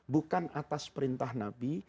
bukan atas perintah nabi